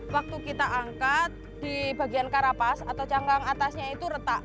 waktu kita angkat di bagian karapas atau cangkang atasnya itu retak